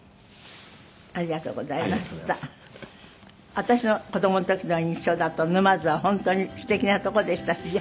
私の子供の時の印象だと沼津は本当にすてきな所でしたしね。